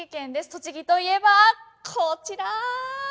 栃木といえばこちら！